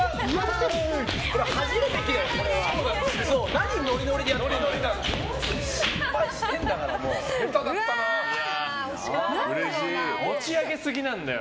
何ノリノリでやってんだよ。